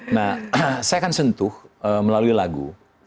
nah saya akan sentuh melalui lagu